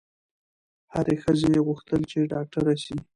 هري ښځي غوښتل چي ډاکټره سي